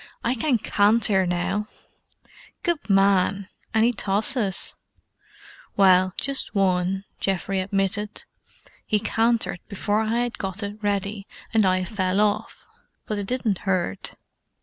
"I can canter now!" "Good man! Any tosses?" "Well, just one," Geoffrey admitted. "He cantered before I had gotted ready, and I fell off. But it didn't hurt."